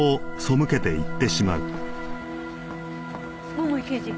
桃井刑事